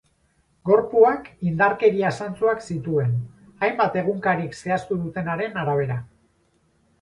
Gorpuak indarkeria zantzuak zituen, hainbat egunkarik zehaztu dutenaren arabera.